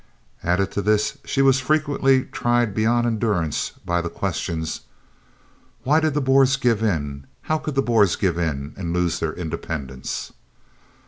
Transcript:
Added to this she was frequently tried beyond endurance by the questions: "Why did the Boers give in? How could the Boers give in and lose their independence?"